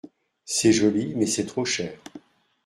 C’est joli mais c’est trop cher.